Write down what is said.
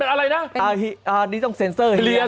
เป็นอะไรนะนี่ต้องเซ็นเซอร์เฮียครับ